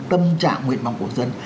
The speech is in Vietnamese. tâm trạng nguyện mong của dân